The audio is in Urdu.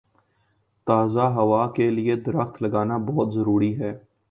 تازہ ہوا کے لیے درخت لگانا بہت ضروری ہے